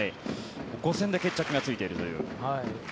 ５戦で決着がついているという。